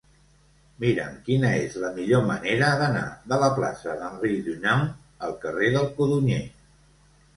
Mira'm quina és la millor manera d'anar de la plaça d'Henry Dunant al carrer del Codonyer.